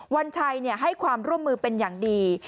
วันชัยให้ความร่วมมือเป็นอย่างดี